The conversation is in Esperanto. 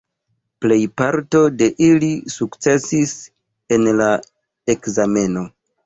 Plejparto de ili sukcesis en la ekzameno.